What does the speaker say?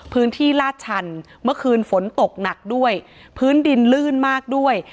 ลาดชันเมื่อคืนฝนตกหนักด้วยพื้นดินลื่นมากด้วย